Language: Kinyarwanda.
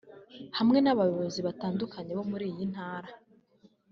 hamwe n’abayobozi batandukanye bo muri iyi ntara